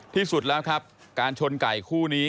ที่สุดแล้วครับการชนไก่คู่นี้